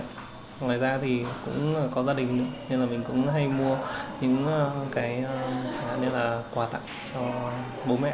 ngoài ra thì cũng có gia đình nữa nên là mình cũng hay mua những cái chẳng hạn như là quà tặng cho bố mẹ hoặc là người nhà